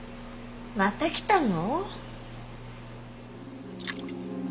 また来たの？